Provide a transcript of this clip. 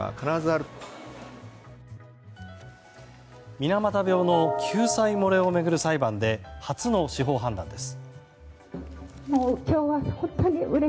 水俣病の救済漏れを巡る裁判で初の司法判断です。